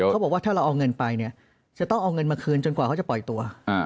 เขาบอกว่าถ้าเราเอาเงินไปเนี่ยจะต้องเอาเงินมาคืนจนกว่าเขาจะปล่อยตัว